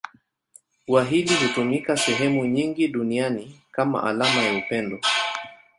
Ua hili hutumika sehemu nyingi duniani kama alama ya upendo.